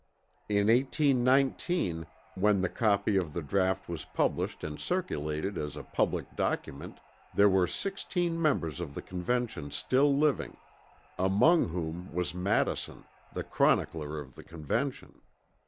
In 1819 when the copy of the draught was published and circulated as a public document there were 16 members of the Convention still living, among whom was Madison, the chronicler of the Convention.